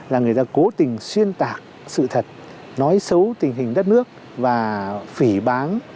là người ta cố tình xuyên tạc sự thật nói xấu tình hình đất nước và phỉ bán